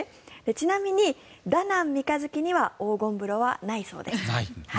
ちなみに、ダナン三日月には黄金風呂はないそうです。